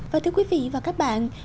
và thưa quý vị và các bạn